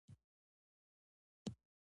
قدرت یو څه کنټرول کړی وو.